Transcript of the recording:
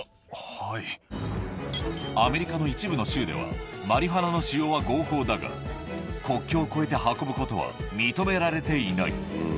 アメリカの一部の州では、マリファナの使用は合法だが、国境を越えて運ぶことは認められていない。